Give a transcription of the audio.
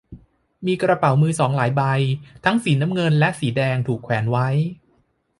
มีกระเป๋ามือสองหลายใบ ทั้งสีน้ำเงินและแดง ถูกแขวนไว้